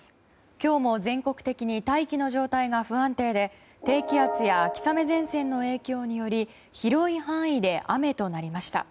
今日も全国的に大気の状態が不安定で低気圧や秋雨前線の影響により広い範囲で雨となりました。